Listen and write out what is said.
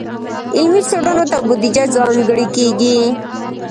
علمي څیړنو ته بودیجه ځانګړې کیږي.